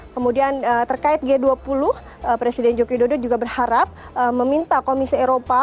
kemudian terkait g dua puluh presiden joko widodo juga berharap meminta komisi eropa